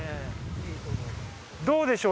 どうでしょう？